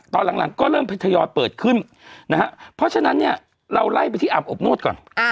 ตอนหลังก็เริ่มทยอยเปิดขึ้นนะฮะเพราะฉะนั้นเนี่ยเราไล่ไปที่อาบอบนวดก่อน